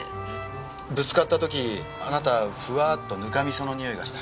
ぶつかった時あなたふわっとぬかみそのにおいがした。